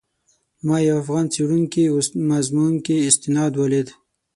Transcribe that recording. ما یو افغان څېړونکي مضمون کې استناد ولید.